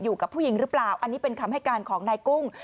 อยู่กับผู้หญิงหรือเปล่าอันนี้เป็นคำให้การของนายกุ้ง